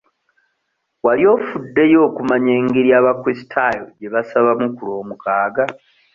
Wali ofuddeyo okumanya engeri abakulisitaayo gye basabamu ku lw'omukaaga?